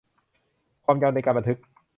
ความยาวในการบันทึก